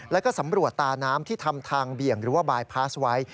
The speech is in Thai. แล้วก็สำรวจตาน้ำที่ทำทางเบี่ยงหรือว่าบายพาสไว้